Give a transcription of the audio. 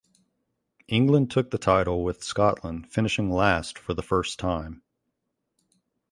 England took the title with Scotland finishing last for the first time.